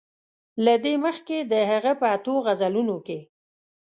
له دې مخکې د هغه په اتو غزلونو کې.